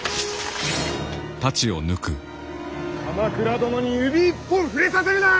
鎌倉殿に指一本触れさせるな！